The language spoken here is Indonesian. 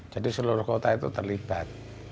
jadi seluruh kota itu terlibat